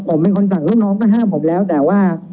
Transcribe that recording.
ผมสั่งลูกน้องก็ห้ามผมแล้วแต่ว่า